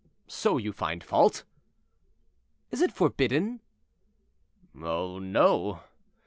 "So you find fault?" "Is it forbidden?" "Oh no."